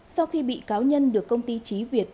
sau khi bị cáo nhân được công ty trí việt